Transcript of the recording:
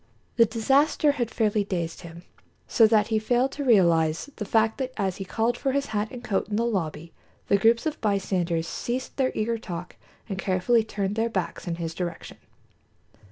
The disaster had fairly dazed him, so that he failed to realize the fact that as he called for his hat and coat in the lobby the groups of bystanders ceased their eager talk and carefully turned their backs in his direction.